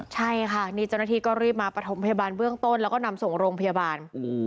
ใช่ค่ะนี่เจ้าหน้าที่ก็รีบมาประถมพยาบาลเบื้องต้นแล้วก็นำส่งโรงพยาบาล